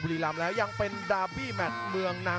ทุกคนสามารถยินได้